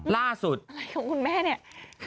ล่าสุดอะไรกับคุณแม่อ้ะ